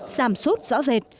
giảm sút rõ rệt